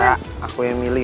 enggak aku yang milih